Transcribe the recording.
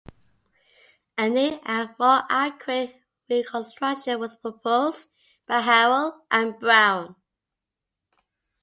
A new and more accurate reconstruction was proposed by Harrell and Brown.